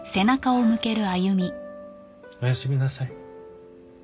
おやすみなさい。